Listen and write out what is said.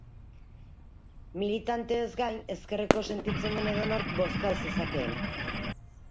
Militanteez gain, ezkerreko sentitzen den edonork bozka zezakeen.